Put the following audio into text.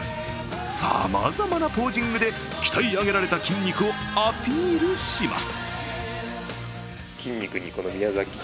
さまざまなポージングで鍛え上げられた筋肉をアピールします。